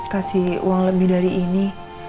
kasih uang lebih dari ini